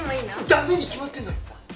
ダメに決まってんだろ！